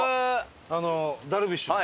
ダルビッシュの。